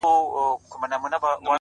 پوه انسان د حقیقت پر لور روان وي،